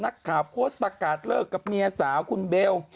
นักข่าวโพสต์ประกาศเลิกกับเมียสาวคุณเบล